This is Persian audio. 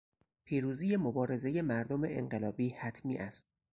پیروزی مبارزهٔ مردم انقلابی حتمی است.